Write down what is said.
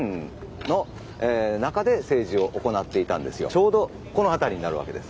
ちょうどこの辺りになるわけです。